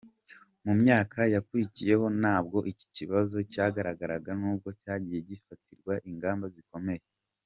Mu myaka yakurikiyeho nabwo iki kibazo cyaragaragaye nubwo cyagiye gifatirwa ingamba zikomeye.